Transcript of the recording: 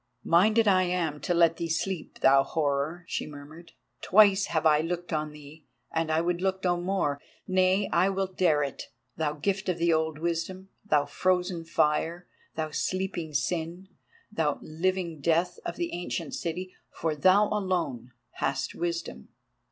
"Minded I am to let thee sleep, thou Horror," she murmured. "Twice have I looked on thee, and I would look no more. Nay, I will dare it, thou gift of the old wisdom, thou frozen fire, thou sleeping Sin, thou living Death of the ancient city, for thou alone hast wisdom."